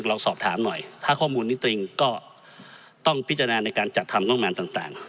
เราสอบถามหน่อยถ้าข้อมูลนี้ตรงก็ต้องพิจารณาในการจัดทำงบประมาณต่าง